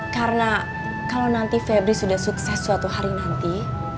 karena kalau nanti febri sudah sukses suatu hari nanti